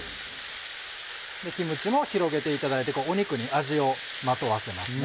キムチも広げていただいて肉に味をまとわせますね。